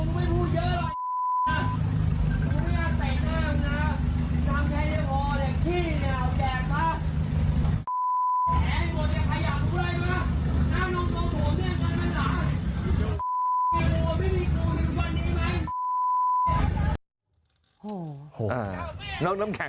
มันดีพอกูไม่เลิก